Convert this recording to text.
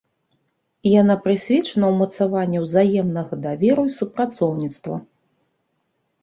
Яна прысвечана ўмацаванню ўзаемнага даверу і супрацоўніцтва.